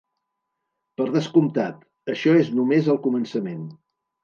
Per descomptat, això és només el començament.